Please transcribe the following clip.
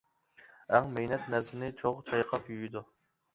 ئەڭ مەينەت نەرسىنى چوغ چايقاپ يۇيىدۇ.